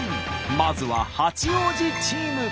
まずは八王子チーム。